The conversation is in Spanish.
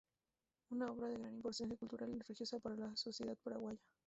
Obra de gran importancia cultural y religiosa para la sociedad paraguaya.